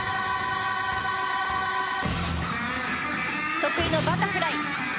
得意のバタフライ。